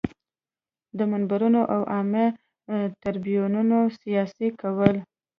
د منبرونو او عامه تریبیونونو سیاسي کول.